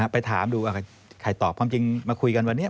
ไปถามดูใครตอบความจริงมาคุยกันวันนี้